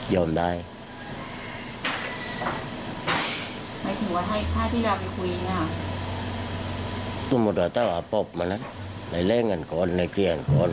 ยอมได้